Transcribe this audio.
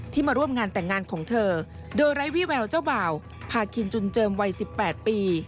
มาร่วมงานแต่งงานของเธอโดยไร้วิแววเจ้าบ่าวพาคินจุนเจิมวัย๑๘ปี